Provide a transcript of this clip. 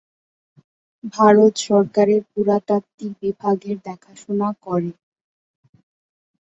ভারত সরকারের পুরাতাত্ত্বিক বিভাগ এর দেখাশুনা করে।